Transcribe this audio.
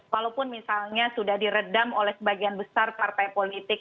walaupun misalnya sudah diredam oleh sebagian besar partai politik